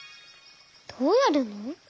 どうやるの？